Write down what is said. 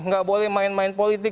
nggak boleh main main politik